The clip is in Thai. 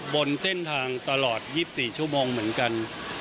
บนเส้นทางตลอด๒๔ชั่วโมงเหมือนกัน